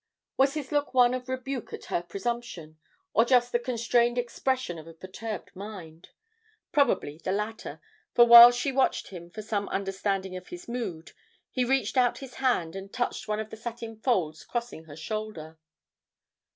Was his look one of rebuke at her presumption, or just the constrained expression of a perturbed mind? Probably, the latter, for while she watched him for some understanding of his mood, he reached out his hand and touched one of the satin folds crossing her shoulder.